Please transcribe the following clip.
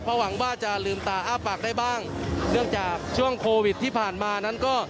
หวังว่าจะลืมตาอ้าปากได้บ้างเนื่องจากช่วงโควิดที่ผ่านมานั้นก็